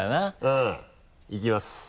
うん。いきます。